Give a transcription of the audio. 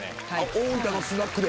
大分のスナックで。